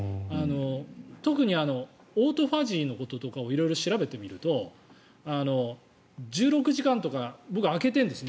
特にオートファジーのこととかを色々調べてみると１６時間とか僕は空けてるんです。